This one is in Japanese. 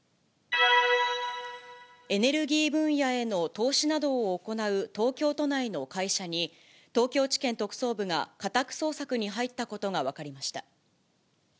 エネルギー分野への投資などを行う東京都内の会社に、東京地検特捜部が家宅捜索に入ったことが分かりました。